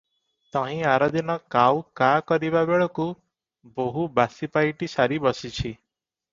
ତହିଁ ଆରଦିନ କାଉ କା କରିବାବେଳକୁ ବୋହୂ ବାସି ପାଇଟି ସାରି ବସିଛି ।